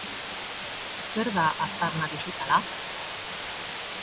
Zer da aztarna digitala?